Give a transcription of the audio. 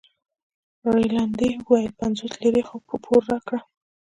رینالډي وویل پنځوس لیرې خو په پور راکړه.